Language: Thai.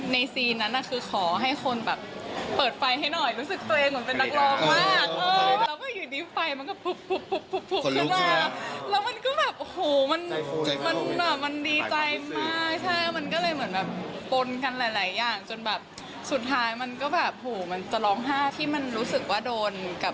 ในซีนนั้นคือขอให้คนแบบเปิดไฟให้หน่อย